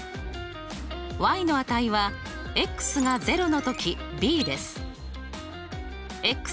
の値はが０の時ｂです。